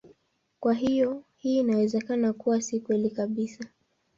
Kwa hiyo hii inaweza kuwa si kweli kabisa.